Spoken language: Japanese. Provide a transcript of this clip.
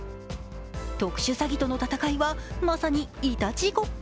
特殊詐欺との戦いは、まさにいたちごっこ。